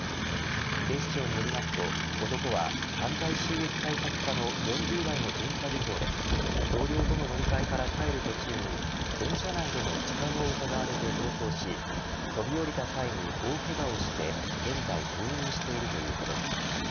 警視庁によりますと、男は犯罪収益対策課の４０代の巡査部長で同僚との飲み会から帰る途中に電車内での痴漢を疑われて逃走し飛び降りた際に大けがをして現在入院しているということです